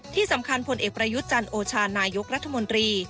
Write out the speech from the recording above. ที่สำคัญผลเอกประยุทธ์จันโอชานายกรัฐมนตรี